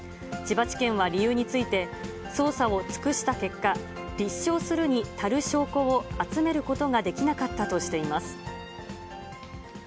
千葉地検は理由について、捜査を尽くした結果、立証するに足る証拠を集めることができなかったとしています。